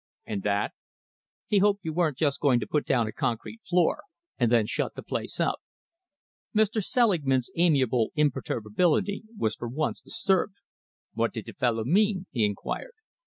"And that?" "He hoped you weren't just going to put down a concrete floor and then shut the place up." Mr. Selingman's amiable imperturbability was for once disturbed. "What did the fellow mean?" he enquired.